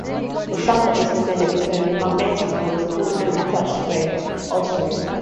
The sample is suspended between the magnetic poles through an attached thread or string.